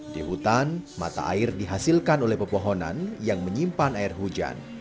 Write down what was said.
di hutan mata air dihasilkan oleh pepohonan yang menyimpan air hujan